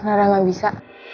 rara gak bisa